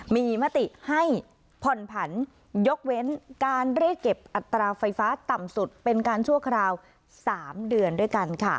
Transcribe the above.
มีมติให้ผ่อนผันยกเว้นการเรียกเก็บอัตราไฟฟ้าต่ำสุดเป็นการชั่วคราว๓เดือนด้วยกันค่ะ